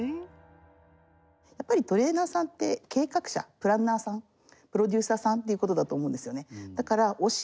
やっぱりトレーナーさんって計画者プランナーさんプロデューサーさんっていうことだと思うんですよね。